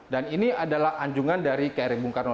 dan ini adalah anjungan dari kri bung karno